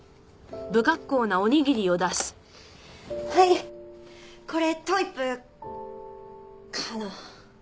はいこれトイプーかな。